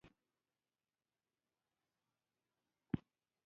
هګۍ د اضطراب ضد ده.